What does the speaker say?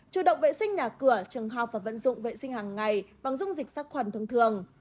chủ động vệ sinh nhà cửa trường học và vận dụng vệ sinh hàng ngày bằng dung dịch sát khuẩn thông thường